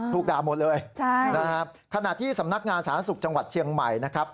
ถูกดาวน์หมดเลยขณะที่สำนักงานสหรัฐศึกษ์จังหวัดเชียงใหม่นะครับ